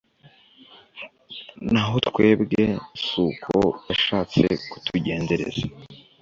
naho twebwe si uko yashatse kutugenzereza